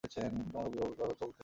তোমার অভিজাতভাবে চলতে হবে।